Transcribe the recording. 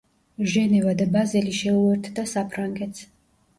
ჟენევა და ბაზელი შეუერთდა საფრანგეთს.